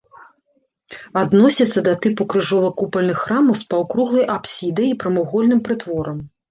Адносіцца да тыпу крыжова-купальных храмаў з паўкруглай апсідай і прамавугольным прытворам.